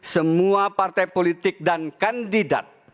semua partai politik dan kandidat